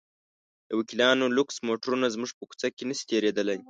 د وکیلانو لوکس موټرونه زموږ په کوڅه کې نه شي تېرېدلی.